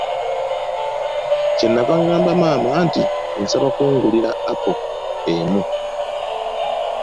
Kye nnava ngamba maama nti, nsaba kungulira apo emu.